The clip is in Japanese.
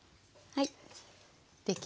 はい。